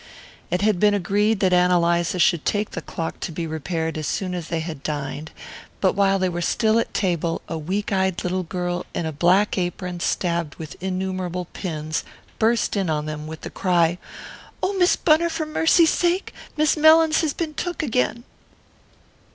It had been agreed that Ann Eliza should take the clock to be repaired as soon as they had dined; but while they were still at table a weak eyed little girl in a black apron stabbed with innumerable pins burst in on them with the cry: "Oh, Miss Bunner, for mercy's sake! Miss Mellins has been took again."